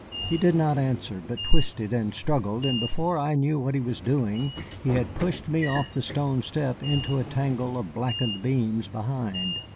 He did not answer, but twisted and struggled, and before I knew what he was doing he had pushed me off the stone step into a tangle of blackened beams behind.